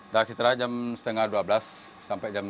dan setelah jam setengah dua belas sampai jam satu